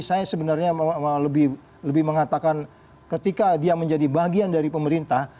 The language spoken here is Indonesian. saya sebenarnya lebih mengatakan ketika dia menjadi bagian dari pemerintah